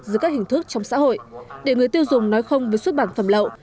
dưới các hình thức trong xã hội để người tiêu dùng nói không với xuất bản phẩm lậu